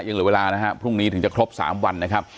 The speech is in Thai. เหลือเวลานะครับพรุ่งนี้ถึงจะครบ๓วันนะครับ